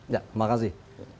ya terima kasih